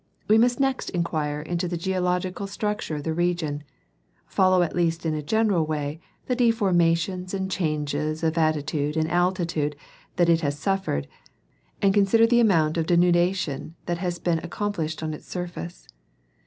We must next inquire into the geo logical structure of the region, follow at least in a general way the deformations and changes of attitude and altitude that it has suffered, and consider the amount of denudation that has been accomplished on its sui'f ace.